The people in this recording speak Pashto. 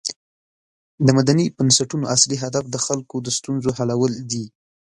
د مدني بنسټونو اصلی هدف د خلکو د ستونزو حلول دي.